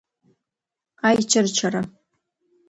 Аичырчара.